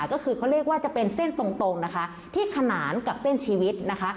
ก็คือเขาเรียกว่าจะเป็นเส้นตรงนะคะที่ขนานกับเส้นชีวิตนะคะ